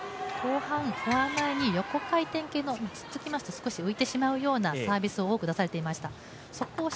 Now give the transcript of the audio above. フォア側に横回転系につっつきますと浮いてしまうようなサーブを多く出されていました。